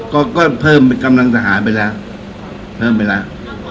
ก็ก็เพิ่มกำลังทหารไปแล้วเพิ่มไปแล้ว